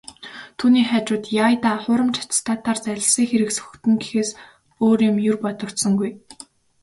Түүний хажууд "яая даа, хуурамч аттестатаар залилсан хэрэг сөхөгдөнө" гэхээс өөр юм ер бодогдсонгүй.